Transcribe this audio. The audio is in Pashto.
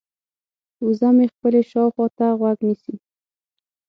وزه مې خپلې شاوخوا ته غوږ نیسي.